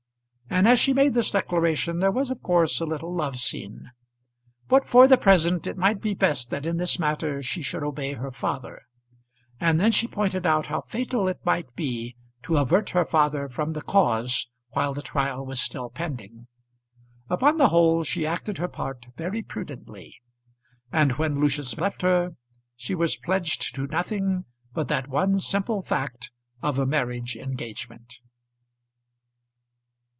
And as she made this declaration, there was of course a little love scene. But, for the present, it might be best that in this matter she should obey her father. And then she pointed out how fatal it might be to avert her father from the cause while the trial was still pending. Upon the whole she acted her part very prudently, and when Lucius left her she was pledged to nothing but that one simple fact of a marriage engagement.